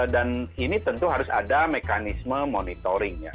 dan ini tentu harus ada mekanisme monitoring nya